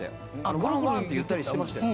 「わんわん」って言ったりしてましたよね。